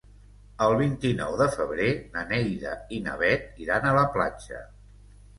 El vint-i-nou de febrer na Neida i na Bet iran a la platja.